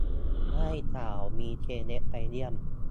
ได้ข่าวมีเซเล็บไปเยี่ยม